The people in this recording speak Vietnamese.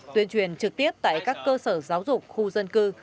tuyên truyền trực tiếp tại các cơ sở giáo dục khu dân cư